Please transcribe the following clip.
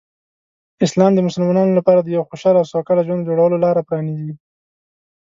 اسلام د مسلمانانو لپاره د یو خوشحال او سوکاله ژوند جوړولو لاره پرانیزي.